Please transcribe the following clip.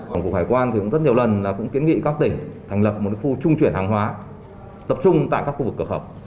tổng cục hải quan cũng rất nhiều lần cũng kiến nghị các tỉnh thành lập một khu trung chuyển hàng hóa tập trung tại các khu vực cửa khẩu